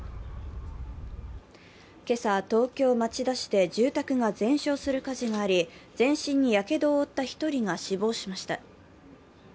今朝、東京・町田市で住宅が全焼する火事があり、全身にやけどを負った１人が死亡しました。